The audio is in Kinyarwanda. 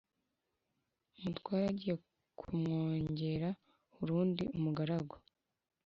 umutware agiye kumwongera urundi umugaragu